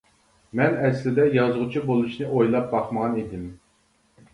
مەن ئەسلىدە يازغۇچى بولۇشنى ئويلاپ باقمىغان ئىدىم.